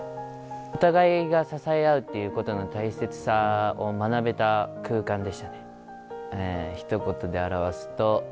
お互いが支え合うっていうことの大切さを学べた空間でした。